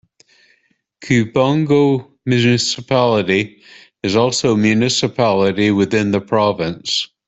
Kibungo Municipality is also a municipality within the province.